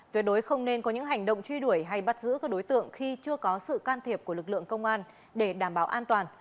tuyệt đối không nên có những hành động truy đuổi hay bắt giữ các đối tượng khi chưa có sự can thiệp của lực lượng công an để đảm bảo an toàn